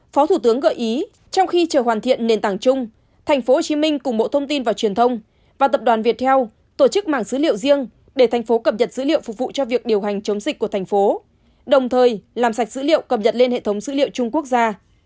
phó thủ tướng gợi ý trong khi chờ hoàn thiện nền tảng chung tp hcm cùng bộ thông tin và truyền thông và tập đoàn viettel tổ chức mảng dữ liệu riêng để thành phố cập nhật dữ liệu phục vụ cho việc điều hành chống dịch của thành phố đồng thời làm sạch dữ liệu cập nhật lên hệ thống dữ liệu chung quốc gia